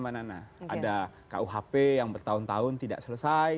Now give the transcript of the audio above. ada kuhp yang bertahun tahun tidak selesai